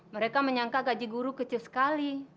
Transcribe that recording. mereka menyangka gaji guru kecil sekali